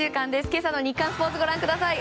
今朝の日刊スポーツご覧ください。